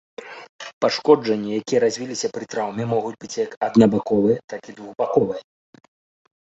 Пашкоджанні, якія развіліся пры траўме, могуць быць як аднабаковыя так і двухбаковыя.